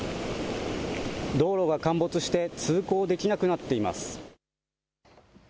道路が陥没して、通行できなくなっています。